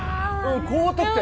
高得点。